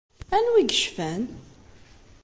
Anwa i yecfan?